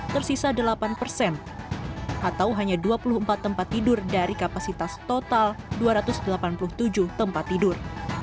tersisa delapan persen atau hanya dua puluh empat tempat tidur dari kapasitas total dua ratus delapan puluh tujuh tempat tidur